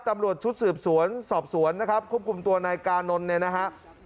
ตำรวจชุดสืบสวนสอบสวนนะครับควบคุมตัวนายกานนท์เนี่ยนะฮะ